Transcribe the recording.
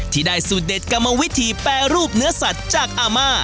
ที่ได้สูตรเด็ดกรรมวิธีแปรรูปเนื้อสัตว์จากอาม่า